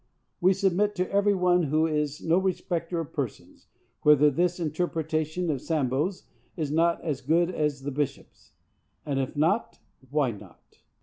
We submit it to every one who is no respecter of persons, whether this interpretation of Sambos is not as good as the bishops. And if not, why not?